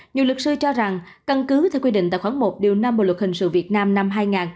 nhiều lực sư cho rằng căn cứ theo quy định tài khoản một điều năm bộ luật hình sự việt nam năm hai nghìn một mươi năm